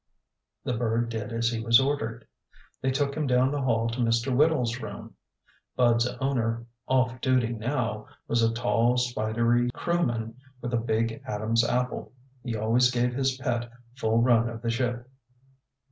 The bird did as he was ordered. They took him down the hall to Mr. Whittle's room. Bud's owner, off duty now, was a tall, spidery crewman with a big Adam's apple. He always gave his pet full run of the ship.